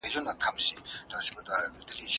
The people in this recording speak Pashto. شرنګ د کندهار به تر اټک پوري رسیږي